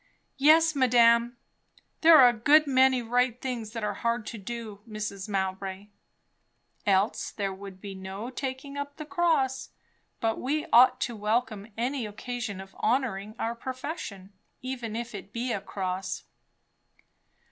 "Yes, madame. There are a good many right things that are hard to do, Mrs. Mowbray!" "Else there would be no taking up the cross. But we ought to welcome any occasion of honouring our profession, even if it be a cross."